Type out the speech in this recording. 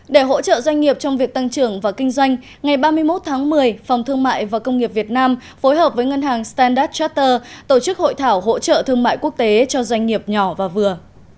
để hỗ trợ doanh nghiệp trong việc tăng trưởng và kinh doanh ngày ba mươi một tháng một mươi phòng thương mại và công nghiệp việt nam phối hợp với ngân hàng standard trater tổ chức hội thảo hỗ trợ thương mại quốc tế cho doanh nghiệp nhỏ và vừa